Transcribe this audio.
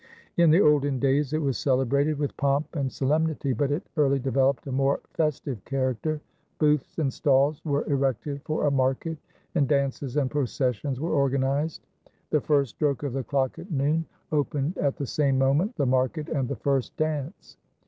In the olden days it was celebrated with pomp and solemnity, but it early developed a more festive character. Booths and stalls were erected for a market, and dances and processions were organized. The first stroke of the clock at noon opened at the same moment the market and the first dance.